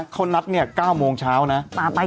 เขานัดเนี่ย๙โมงเช้านะ